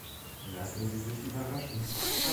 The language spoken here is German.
Lassen Sie sich überraschen.